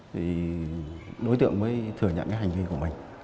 thì đối tượng mới thừa nhận cái hành vi của mình